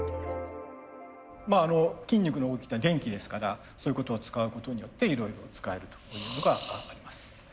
筋肉の動きっていうのは電気ですからそういうことを使うことによっていろいろ使えるというのがあります。